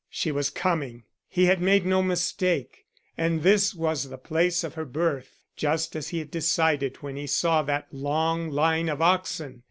She was coming! He had made no mistake. And this was the place of her birth, just as he had decided when he saw that long line of oxen!